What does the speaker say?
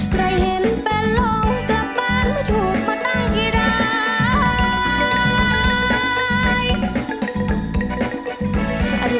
ใครเห็นแฟนลงกลับบ้านถูกมาตั้งให้ร้าย